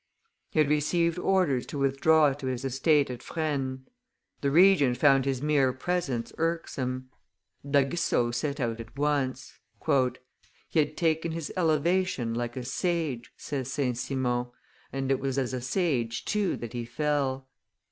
He had received orders to withdraw to his estate at Fresnes; the Regent found his mere presence irksome. D'Aguesseau set out at once. "He had taken his elevation like a sage," says St. Simon, "and it was as a sage too that he fell."